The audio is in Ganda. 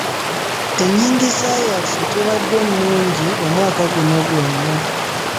Ennyingiza yaffe tebadde nnungi omwaka guno gwonna.